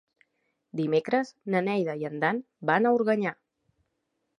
Dimecres na Neida i en Dan van a Organyà.